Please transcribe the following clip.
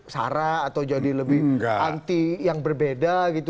sara atau jadi lebih anti yang berbeda gitu